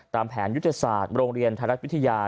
ตามแผนยุทธศาสตร์โรงเรียนไทยรัฐวิทยา